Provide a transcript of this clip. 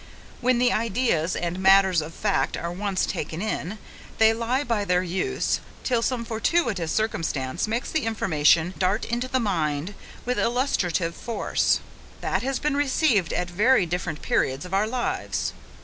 When the ideas, and matters of fact, are once taken in, they lie by for use, till some fortuitous circumstance makes the information dart into the mind with illustrative force, that has been received at very different periods of our lives.